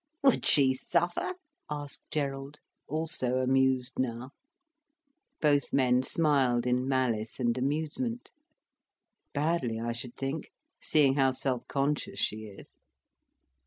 "Would she suffer?" asked Gerald, also amused now. Both men smiled in malice and amusement. "Badly, I should think; seeing how self conscious she is."